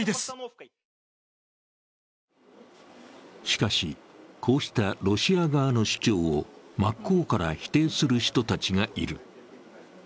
しかし、こうしたロシア側の主張を真っ向から否定する人たちがいる。